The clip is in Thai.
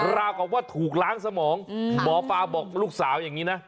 ราวกับว่าถูกล้างสมองหมอปลาบอกลูกสาวอย่างนี้นะ